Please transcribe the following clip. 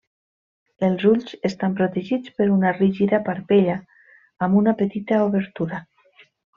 Els ulls estan protegits per una rígida parpella amb una petita obertura.